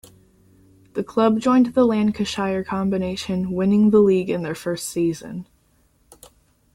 The club joined the Lancashire Combination, winning the league in their first season.